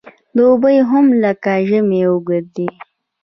دوبی هم لکه ژمی اوږد دی .